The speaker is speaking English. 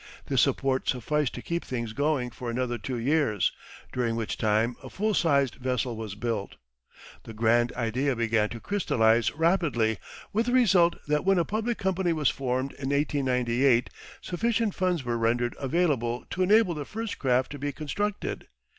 This support sufficed to keep things going for another two years, during which time a full sized vessel was built. The grand idea began to crystallise rapidly, with the result that when a public company was formed in 1898, sufficient funds were rendered available to enable the first craft to be constructed.